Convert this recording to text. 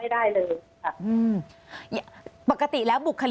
อันดับที่สุดท้าย